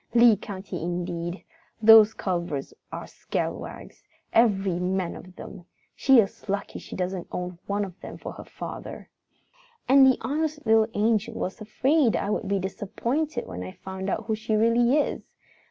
Lee County indeed! Those Culvers are scalawags, every man of them! She is lucky she doesn't own one of them for a father. "And the honest little angel was afraid I would be disappointed when I found out who she really is.